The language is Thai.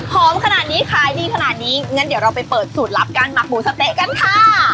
ขนาดนี้ขายดีขนาดนี้งั้นเดี๋ยวเราไปเปิดสูตรลับการหมักหมูสะเต๊ะกันค่ะ